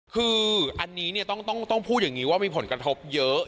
คืออันนี้เนี่ยต้องพูดอย่างนี้ว่ามีผลกระทบเยอะ